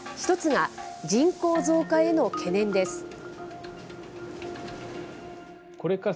１つが人口増加への懸念です。